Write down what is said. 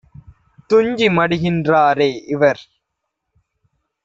துஞ்சி மடிகின் றாரே - இவர்